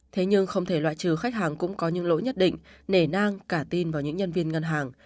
thế nhưng không thể loại trừ khách hàng cũng có những lỗi nhất định nể nang cả tin vào những nhân viên ngân hàng